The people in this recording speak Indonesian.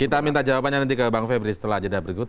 kita minta jawabannya nanti ke bang febri setelah jeda berikut